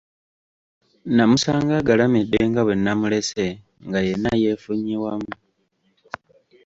Namusanga agalamidde nga bwe nnamulese, nga yenna yeefunye wamu.